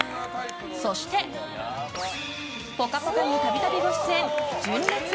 そして、「ぽかぽか」に度々ご出演、純烈。